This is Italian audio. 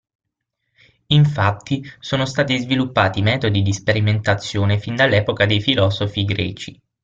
Infatti, sono stati sviluppati metodi di sperimentazione fin dall'epoca dei filosofi greci.